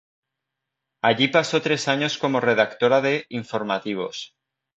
Allí pasó tres años como redactora de "Informativos.